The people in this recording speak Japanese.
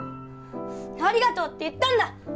ありがとうって言ったんだ！